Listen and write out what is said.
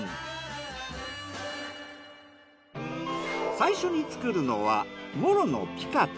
最初に作るのはモロのピカタ。